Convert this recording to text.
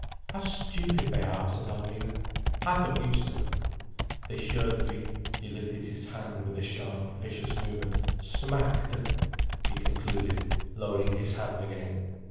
"How stupid they are," said Alvina. "I've got used to them." "They should be—" he lifted his hand with a sharp, vicious movement—"smacked," he concluded, lowering his hand again.